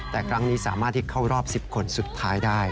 แต่ครั้งนี้สามารถที่เข้ารอบ๑๐คนสุดท้ายได้